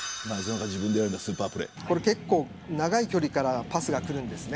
結構、長い距離からパスが来るんです。